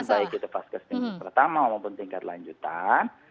baik itu faskets pertama maupun tingkat lanjutan